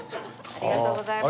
ありがとうございます。